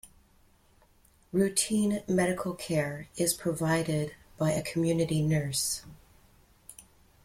Routine medical care is provided by a community nurse.